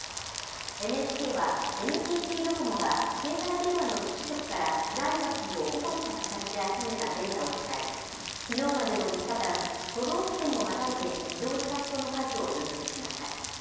ＮＨＫはＮＴＴドコモが携帯電話の基地局からプライバシーを保護した形で集めたデータを使い、きのうまでの３日間、都道府県をまたいで移動した人の数を分析しました。